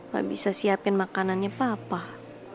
gak bisa siapin makanannya bapak